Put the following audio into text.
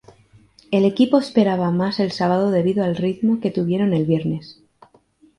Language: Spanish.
El equipo esperaba más el sábado debido al ritmo que tuvieron el viernes.